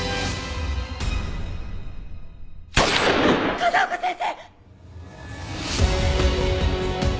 風丘先生！！